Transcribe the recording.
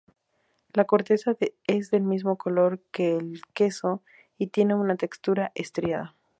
La corteza es del mismo color que el queso y tiene una textura estriada.